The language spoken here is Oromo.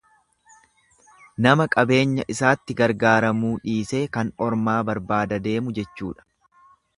Nama qabeenya isaatti gargaaramuu dhiisee kan ormaa barbaada deemu jechuudha.